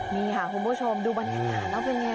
นี่ค่ะคุณผู้ชมดูบรรยากาศแล้วเป็นไง